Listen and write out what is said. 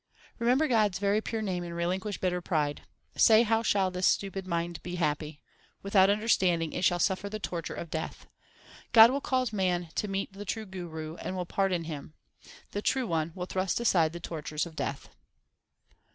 Remember God s very pure name and relinquish bitter pride. Say how shall this stupid mind be happy : Without understanding, it shall suffer the torture of Death. God will cause man to meet the true Guru, and will pardon him. The True One will thrust aside the tortures of Death.